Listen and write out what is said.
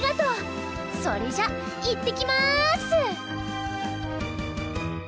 それじゃあいってきます！